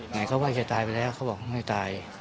ไหนก็ว่าจะตายไปแล้วพ่อบอกไม่ตาย